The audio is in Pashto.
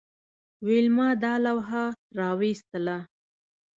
ویلما دا لوحه راویستله